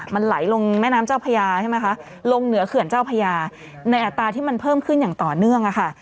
มันไหลลงแม่น้ำเจ้าพญาใช่ไหมคะลงเหนือเขื่อนเจ้าพญาในอัตราที่มันเพิ่มขึ้นอย่างต่อเนื่องค่ะ